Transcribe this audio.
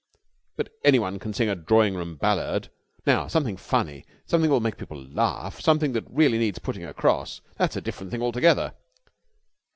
"But anyone can sing a drawing room ballad. Now something funny, something that will make people laugh, something that really needs putting across ... that's a different thing altogether."